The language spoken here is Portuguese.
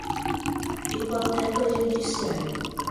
hipoteca judiciária